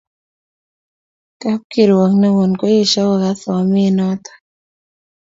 Tkapkirwok newon koesho kokas samet noton.